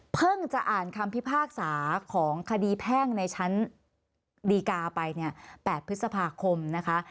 จะอ่านคำพิพากษาของคดีแพ่งในชั้นดีกาไปเนี่ย๘พฤษภาคมนะคะ